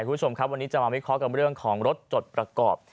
คุณผู้ชมครับวันนี้จะมาวิเคราะห์กับเรื่องของรถจดประกอบ